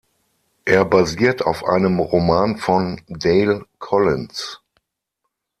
Er basiert auf einem Roman von Dale Collins.